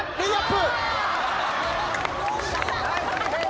レイアップ！